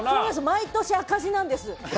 毎年、赤字なんです。